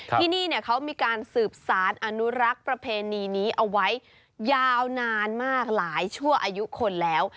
ที่นี่เขามีการสืบสารอนุรักษ์ประเพณีนี้เอาไว้ยาวนานมากหลายชั่วอายุคนแล้ว